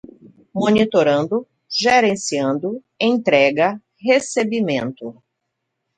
monitorando, gerenciando, entrega, recebimento